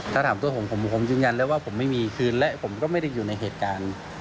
ถ้าถามตัวผมผมยืนยันแล้วว่าผมไม่มีคืนและผมก็ไม่ได้อยู่ในเหตุการณ์